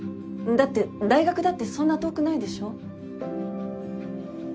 だって大学だってそんな遠くないでしょ？